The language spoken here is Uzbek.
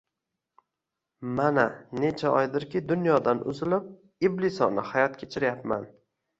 Mana, necha oydirki, dunyodan uzilib, iblisona hayot kechiryapman